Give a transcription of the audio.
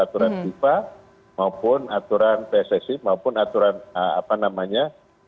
aturan fifa maupun aturan pssi maupun aturan apa namanya